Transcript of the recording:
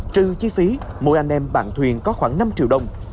trừ chi phí mỗi anh em bạn thuyền có khoảng năm triệu đồng